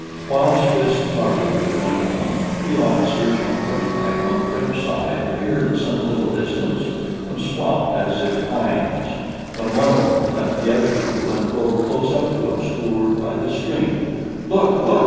Whilst this parley was going on, three officers on horseback, on the French side, appeared at some little distance, and stopped as if eying us, when one of them left the other two, and rode close up to us who were by the stream. "Look, look!"